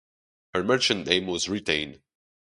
Her merchant name was retained.